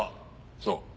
そう。